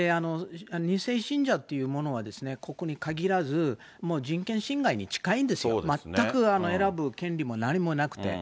２世信者というものはですね、ここに限らず、もう人権侵害に近いんです、全く選ぶ権利も何もなくて。